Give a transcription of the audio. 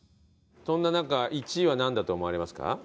そんな中１位はなんだと思われますか？